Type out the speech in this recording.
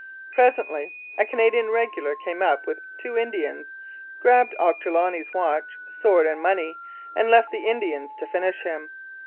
Presently a Canadian regular came up with two Indians, grabbed Ochterloney's watch, sword and money, and left the Indians to finish him.